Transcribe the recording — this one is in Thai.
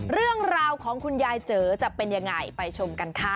เรื่องราวของคุณยายเจ๋อจะเป็นยังไงไปชมกันค่ะ